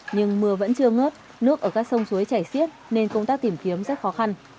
nhưng mưa vẫn chưa ngớt nước ở các sông suối chảy xiết nên công tác tìm kiếm rất khó khăn